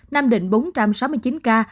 nam định bốn trăm sáu mươi chín ca